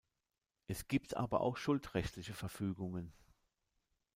Es gibt aber auch "schuldrechtliche Verfügungen".